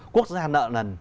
quốc gia nợ nần